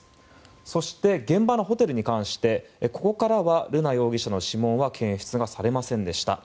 そして、現場のホテルに関してここからは瑠奈容疑者の指紋が検出はされませんでした。